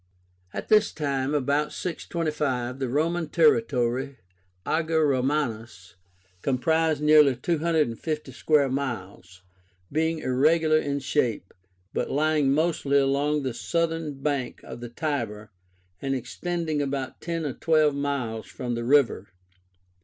At this time (about 625) the Roman territory (ager Románus) comprised nearly 250 square miles, being irregular in shape, but lying mostly along the southern bank of the Tiber and extending about ten or twelve miles from the river.